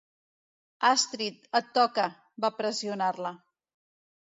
Astrid, et toca —va pressionar-la.